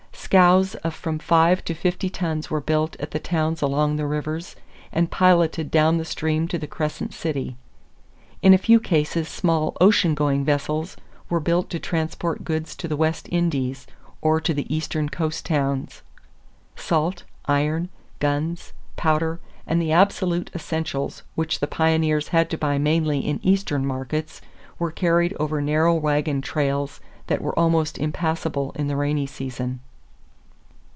Scows of from five to fifty tons were built at the towns along the rivers and piloted down the stream to the Crescent City. In a few cases small ocean going vessels were built to transport goods to the West Indies or to the Eastern coast towns. Salt, iron, guns, powder, and the absolute essentials which the pioneers had to buy mainly in Eastern markets were carried over narrow wagon trails that were almost impassable in the rainy season.